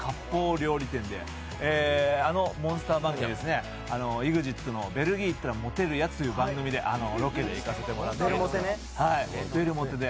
料理店であのモンスター番組、「ＥＸＩＴのベルギー行ったらモテるやつ！」のロケで行かせてもらいました。